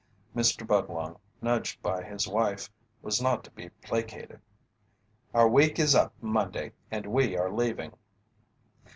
Mr. Budlong, nudged by his wife, was not to be placated. "Our week is up Monday, and we are leaving."